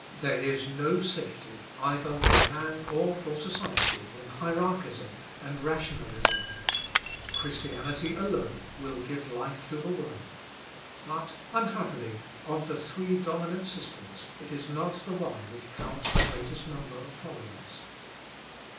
There is no safety either for man or for society in hierarchism and rationalism. Christianity alone will give life to the world; but, unhappily, of the three dominant systems it is not the one which counts the greatest number of followers.